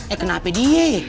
eh kenapa dia